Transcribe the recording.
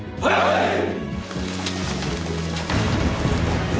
はい！